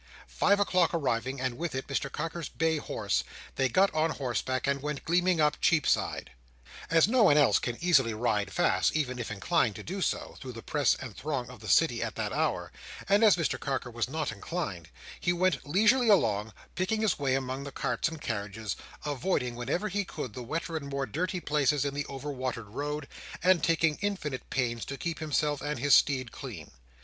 Five o'clock arriving, and with it Mr Carker's bay horse, they got on horseback, and went gleaming up Cheapside. As no one can easily ride fast, even if inclined to do so, through the press and throng of the City at that hour, and as Mr Carker was not inclined, he went leisurely along, picking his way among the carts and carriages, avoiding whenever he could the wetter and more dirty places in the over watered road, and taking infinite pains to keep himself and his steed clean.